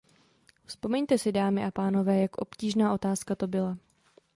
Vzpomeňte si, dámy a pánové, jak obtížná otázka to byla.